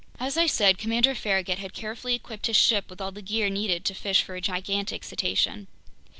As I said, Commander Farragut had carefully equipped his ship with all the gear needed to fish for a gigantic cetacean.